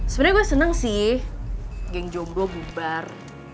sebenernya gue seneng sih geng jomblo bubar